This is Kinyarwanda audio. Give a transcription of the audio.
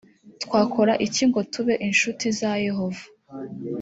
twakora iki ngo tube inshuti za yehova